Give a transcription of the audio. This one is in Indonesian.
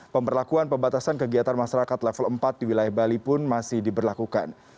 pemberlakuan pembatasan kegiatan masyarakat level empat di wilayah bali pun masih diberlakukan